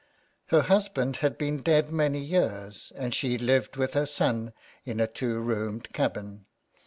Her husband had been dead many years, and she lived with her son in a two roomed cabin.